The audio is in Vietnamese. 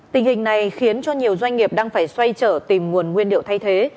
tình hình này khiến cho nhiều doanh nghiệp đang phải xoay trở tìm nguồn nguyên liệu thay thế